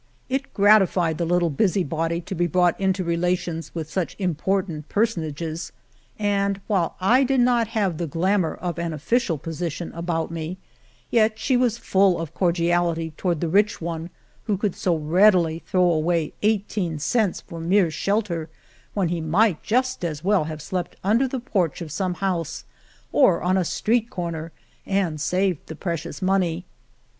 It gratified the little busybody to be brought into relations with such im portant personages, and while I did not have the glamour of an official position about me, yet she was full of cordiality toward the rich one who could so readily throw away eigh teen cents for mere shelter, when he might just as well have slept under the porch of some house or on a street corner and saved the precious money.